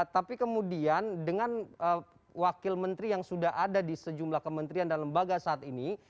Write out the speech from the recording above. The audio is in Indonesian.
tapi kemudian dengan wakil menteri yang sudah ada di sejumlah kementerian dan lembaga saat ini